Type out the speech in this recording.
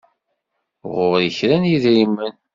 Ɣur-i kra n yedrimen.